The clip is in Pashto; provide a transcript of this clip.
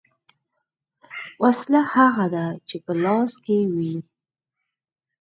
ـ وسله هغه ده چې په لاس کې وي .